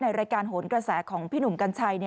รายการโหนกระแสของพี่หนุ่มกัญชัย